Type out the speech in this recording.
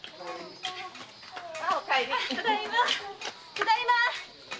ただいま！